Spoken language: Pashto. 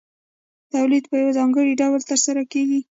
تولید په یو ځانګړي ډول ترسره کېږي